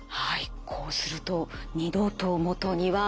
こうすると二度と元には戻れません。